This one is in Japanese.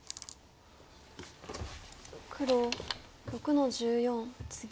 黒６の十四ツギ。